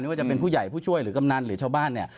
ว่าจะเป็นผู้ใหญ่ผู้ช่วยหรือกำนันหรือชาวบ้านเนี่ย